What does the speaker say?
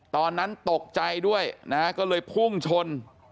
ตอนนั้นตกใจด้วยนะฮะก็เลยพุ่งชน